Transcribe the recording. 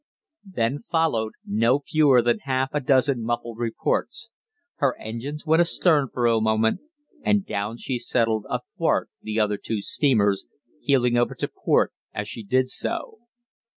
Then followed no fewer than half a dozen muffled reports. Her engines went astern for a moment, and down she settled athwart the other two steamers, heeling over to port as she did so.